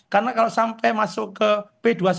karena kalau sampai masuk ke p dua puluh satu